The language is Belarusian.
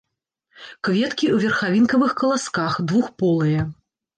Кветкі ў верхавінкавых каласках, двухполыя.